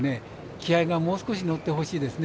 気合いがもう少し乗ってほしいですね。